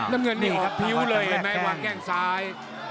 น้ำเงินนี่ออกพิ้วเลยเห็นไหมวางแข้งซ้าย